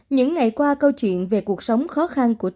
những ngày qua câu chuyện về cuộc sống khó khăn này đã được tạo ra